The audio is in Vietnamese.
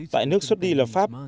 tại nước xuất đi là pháp